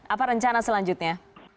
apa rencana selanjutnya